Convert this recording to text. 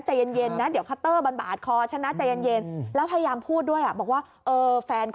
อืมอืมอืมอืมอืม